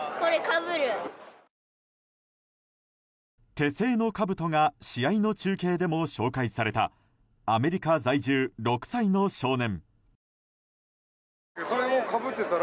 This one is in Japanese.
手製のかぶとが試合の中継でも紹介されたアメリカ在住、６歳の少年。